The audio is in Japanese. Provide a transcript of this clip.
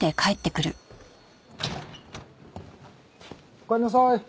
おかえりなさい。